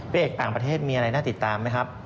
เอกต่างประเทศมีอะไรน่าติดตามไหมครับ